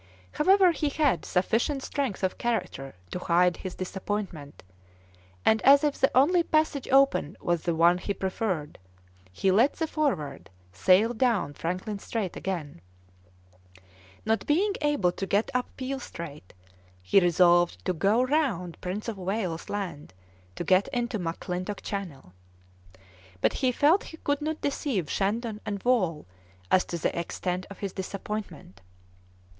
However, he had sufficient strength of character to hide his disappointment, and as if the only passage open was the one he preferred, he let the Forward sail down Franklin Strait again; not being able to get up Peel Strait, he resolved to go round Prince of Wales's Land to get into McClintock Channel. But he felt he could not deceive Shandon and Wall as to the extent of his disappointment.